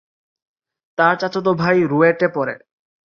তার চাচাতো ভাই রুয়েটে পড়ে।